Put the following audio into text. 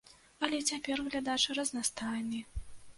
Але цяпер глядач разнастайны.